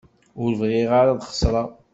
Ur bɣiɣ ara ad xeṣreɣ.